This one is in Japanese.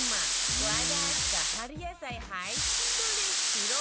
和田明日香春野菜ハイスピードレシピ６選